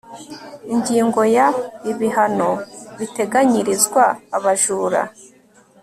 ingingo ya ibihano biteganyirizwa abajura